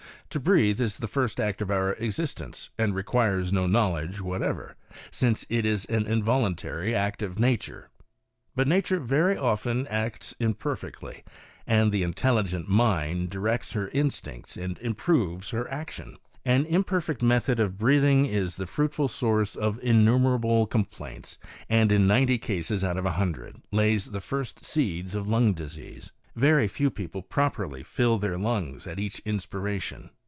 To breathe is the first act of our existence, and requires no knowledge whatever, since it is an involuntary act of nature. But nature very often acts imperfectly, and the intelligent MIND directs her instincts and improves her action. An imperfect method of breathing is the fruitful source of innumerable complaints, and in ninety cases out of a hundred lays the first seeds of lung disease. "Very few people properly fill their lungs at each inspiration.